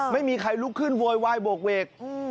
ไม่มีใครลุกขึ้นโวยวายโบกเวก